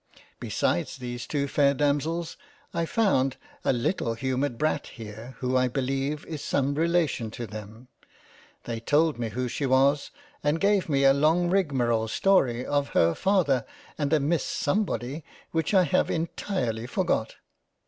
Besides these two fair Damsels, I found a little humoured Brat here who I beleive is some relation to them, they told me who she was, and gave me a long rigmerole story of her father and a Miss Somebody which I have entirely forgot.